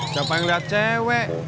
siapa yang liat cewek